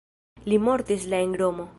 Li mortis la en Romo.